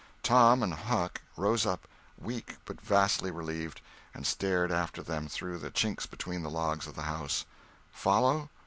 Tom and Huck rose up, weak but vastly relieved, and stared after them through the chinks between the logs of the house. Follow?